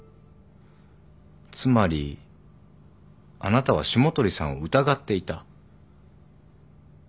つまりあなたは霜鳥さんを疑っていた。